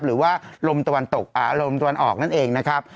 หรือว่าลมตะวันตกลมตะวันออกนั่นเองนะครับ